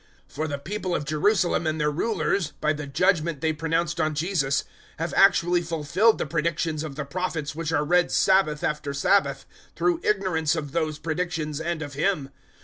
013:027 For the people of Jerusalem and their rulers, by the judgement they pronounced on Jesus, have actually fulfilled the predictions of the Prophets which are read Sabbath after Sabbath, through ignorance of those predictions and of Him.